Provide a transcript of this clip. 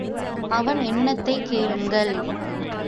அவன் எண்ணத்தைக் கேளுங்கள்.